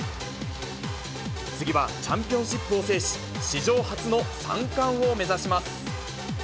次はチャンピオンシップを制し、史上初の３冠を目指します。